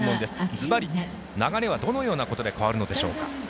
ズバリ、流れはどのようなことで変わるのでしょうか？